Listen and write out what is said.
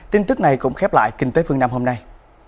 tin tức này cũng khép lại kinh tế phương nam hôm nay